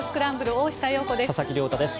大下容子です。